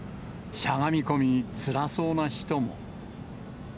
しゃがみ込み、つらそうな人も。